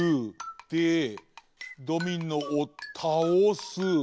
でドミノをたおす。